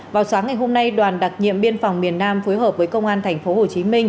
vào sáng ngày hôm nay đoàn đặc nhiệm biên phòng miền nam phối hợp với công an tp hcm